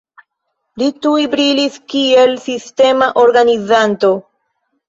Li tuj brilis kiel sistema organizanto.